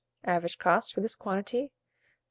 Average cost, for this quantity, 5s.